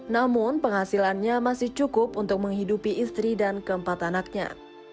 namun penghasilannya masih cukup untuk menghidupi istri dan keempat anaknya